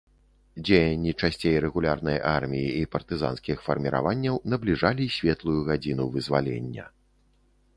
Дзеянні часцей рэгулярнай арміі і партызанскіх фарміраванняў набліжалі светлую гадзіну вызвалення.